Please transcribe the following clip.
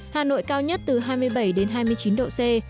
hà nội cao nhất từ hai mươi bảy đến hai mươi chín độ c